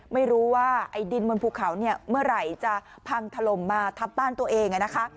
ไม่รู้ว่าไอ้ดินบนภูเขาเนี่ยเมื่อไหร่จะพังถล่มมาทับบ้านตัวเองนะคะ